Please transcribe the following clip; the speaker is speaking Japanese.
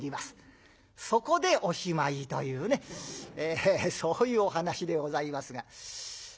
そこでおしまいというねそういうお噺でございますが。